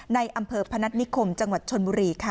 ในอำเภอพนัฐนิคมจังหวัดชนบุรีค่ะ